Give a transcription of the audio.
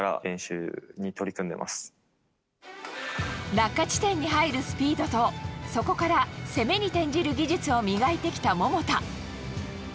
落下地点に入るスピードとそこから攻めに転じる技術を磨いてきた桃田。